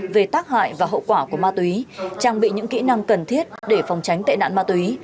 về tác hại và hậu quả của ma túy trang bị những kỹ năng cần thiết để phòng tránh tệ nạn ma túy